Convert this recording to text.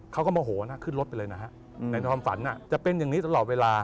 โมโหนะขึ้นรถไปเลยนะฮะในความฝันจะเป็นอย่างนี้ตลอดเวลา